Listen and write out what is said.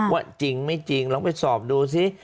ว่าจริงไม่จริงลองไปสอบดูซิ